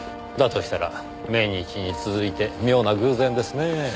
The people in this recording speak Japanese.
だとしたら命日に続いて妙な偶然ですねぇ。